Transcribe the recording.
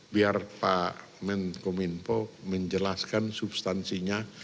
biar pak menko minpo menjelaskan substansinya